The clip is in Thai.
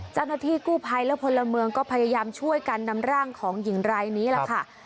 เจ้าหน้าที่กู้ภัยและพลเมืองก็พยายามช่วยกันนำร่างของหญิงรายนี้แหละค่ะ